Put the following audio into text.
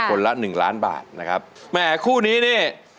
ละหนึ่งล้านบาทนะครับแหมคู่นี้นี่